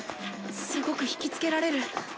すごくひきつけられる。